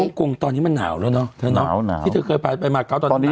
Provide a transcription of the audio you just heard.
ปกติห้องกรุงตอนนี้มันหนาวแล้วเนอะที่เธอเคยไปมาเกาะตอนนี้